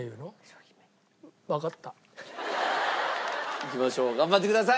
いきましょう頑張ってください！